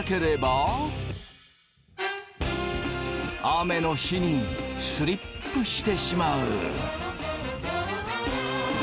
雨の日にスリップしてしまう。